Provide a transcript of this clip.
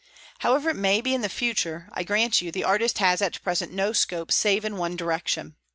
"However it may be in the future, I grant you the artist has at present no scope save in one direction.